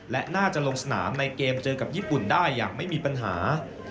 และน่าจะลงสนามในเกมเจอกับญี่ปุ่นได้อย่างไม่มีปัญหา